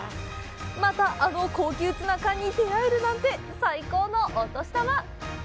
またあの高級ツナ缶に出会えるなんて最高のお年玉！